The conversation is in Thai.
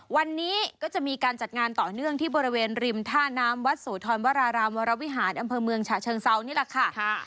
วันนี้ก็จะมีการจัดงานต่อเนื่องที่บริเวณริมท่าน้ำวัดโสธรวรารามวรวิหารอำเภอเมืองฉะเชิงเซานี่แหละค่ะ